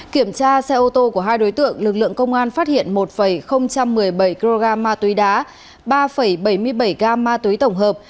kiểm tra xe ô tô của hai đối tượng lực lượng công an phát hiện một một mươi bảy kg ma túy đá ba bảy mươi bảy gam ma túy tổng hợp